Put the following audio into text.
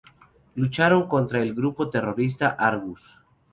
Lucharon contra el grupo terrorista Argus.